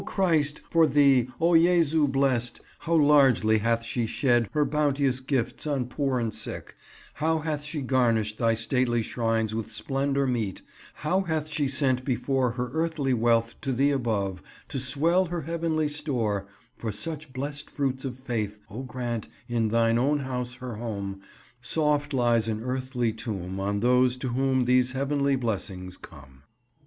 Christ, for Thee, O! Jesu blest, how largely hath she shed Her bounteous gifts on poor and sick—how hath she garnished Thy stately shrines with splendour meet—how hath she sent before Her earthly wealth to Thee above, to swell her heavenly store, For such blest fruits of faith, O grant, in Thine own house her home: Soft lies an earthly tomb on those to whom these heavenly blessings come."